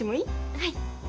はい。